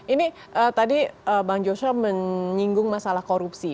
ini tadi bang joshua menyinggung masalah korupsi